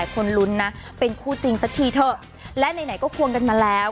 คนลุ้นนะเป็นคู่จริงสักทีเถอะและไหนก็ควงกันมาแล้ว